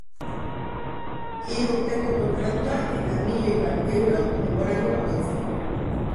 Hiru urteko kontratua eta milioi bat euro denboraldi bakoitzeko.